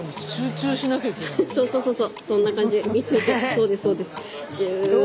そうですそうです。